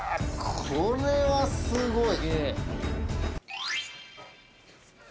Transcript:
これはすごい。